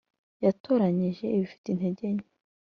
Yatoranyije ibifite intege nke